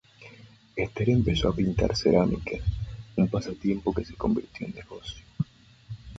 Esther empezó a pintar cerámica, un pasatiempo que se convirtió en negocio.